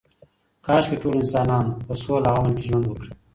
کاشکې ټول انسانان په سوله او امن کې ژوند وکړي.